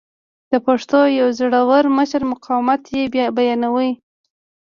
د پښتنو یو زړه ور مشر مقاومت یې بیانوي.